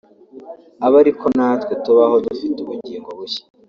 abe ari ko natwe tubaho dufite ubugingo bushya